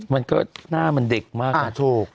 มันก็หน้ามันเด็กมาก